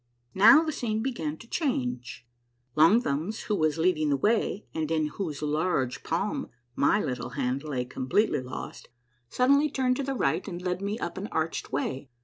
Now the scene began to change. Long Thumbs, who was leading the way, and in whose large palm my little hand lay completely lost, suddenly turned to the right and led me up an arched way.